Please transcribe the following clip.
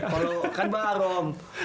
kalau kan baru om